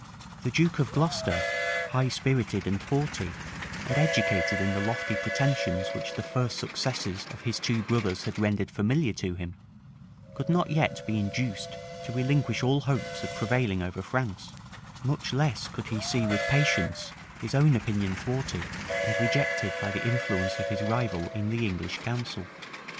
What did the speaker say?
The duke of Glocester, high spirited and haughty, and educated in the lofty pretensions which the first successes of his two brothers had rendered familiar to him, could not yet be induced to relinquish all hopes of prevailing over France; much less could he see with patience his own opinion thwarted and rejected by the influence of his rival in the English council.